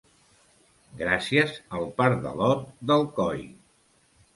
Gràcies al pardalot d'Alcoi!